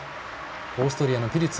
オーストリアのピルツ